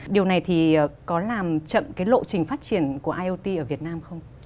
điều này có làm chậm lộ trình phát triển của iot ở việt nam